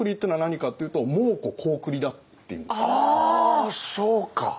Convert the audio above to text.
あそうか！